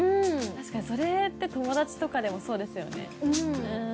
確かにそれって友達とかでもそうですよね。